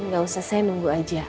gak usah saya nunggu aja